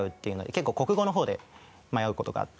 結構国語の方で迷う事があって。